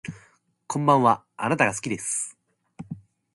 こんばんはあなたが好きです